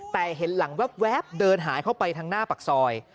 แต่เห็นหลังแว๊บเดินหายเข้าไปทางหน้าปากซอย